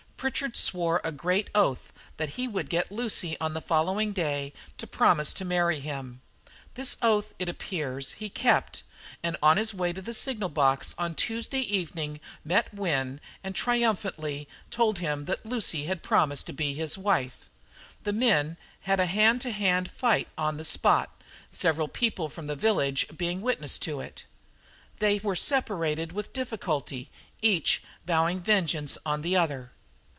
Pritchard swore a great oath that he would get Lucy on the following day to promise to marry him. This oath, it appears, he kept, and on his way to the signal box on Tuesday evening met Wynne, and triumphantly told him that Lucy had promised to be his wife. The men had a hand to hand fight on the spot, several people from the village being witnesses of it. They were separated with difficulty, each vowing vengeance on the other.